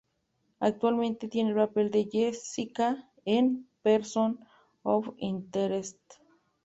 Actualmente tiene el papel de Jessica en "Person of Interest".